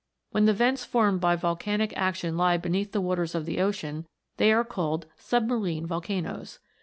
When the vents formed by volcanic action lie beneath the waters of the ocean, they are called " submarine volcanoes."